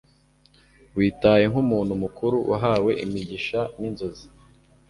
Witaye nkumuntu mukuru wahawe imigisha ninzozi